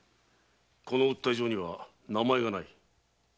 この訴え状には名前がない。